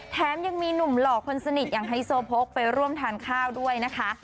แถมยังมีหนุ่มหล่อคนสนิทอย่างไฮโซโพกไปร่วมทานข้าวด้วยนะคะ